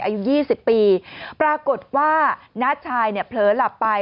อายุ๒๐ปีปรากฏว่าน้าชายเนี่ยเผลอหลับไป